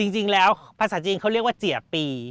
จริงแล้วภาษาจีนเขาเรียกว่าเจียปี